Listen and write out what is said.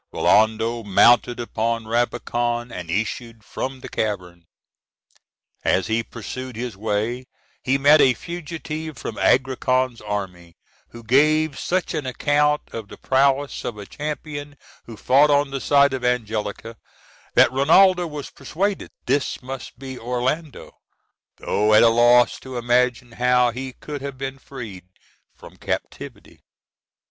Rinaldo mounted upon Rabican, and issued from the cavern. As he pursued his way he met a fugitive from Agrican's army, who gave such an account of the prowess of a champion who fought on the side of Angelica, that Rinaldo was persuaded this must be Orlando, though at a loss to imagine how he could have been freed from captivity.